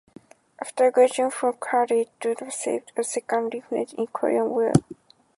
After graduating from college, Draper served as a second lieutenant in the Korean War.